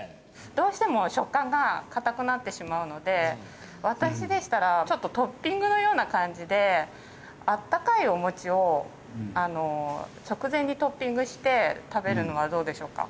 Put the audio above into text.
どうしても食感が硬くなってしまうので私でしたらちょっとトッピングのような感じであったかいおもちを直前にトッピングして食べるのはどうでしょうか？